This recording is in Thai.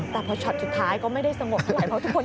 แต่พอช็อตสุดท้ายก็ไม่ได้สงบเท่าไร